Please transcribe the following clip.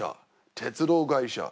鉄道会社